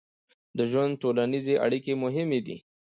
د ژوند ټولنیزې اړیکې مهمې دي.